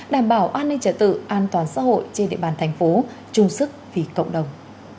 đảm bảo an ninh trật tự an toàn xã hội trên địa bàn thành phố chung sức vì cộng đồng